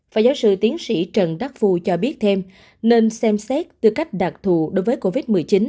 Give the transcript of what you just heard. phó giáo sư tiến sĩ trần đắc phu cho biết thêm nên xem xét tư cách đặc thù đối với covid một mươi chín